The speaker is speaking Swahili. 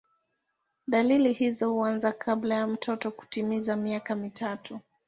Dalili hizo huanza kabla ya mtoto kutimiza miaka mitatu.